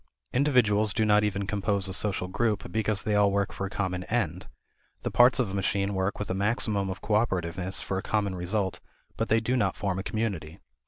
Individuals do not even compose a social group because they all work for a common end. The parts of a machine work with a maximum of cooperativeness for a common result, but they do not form a community.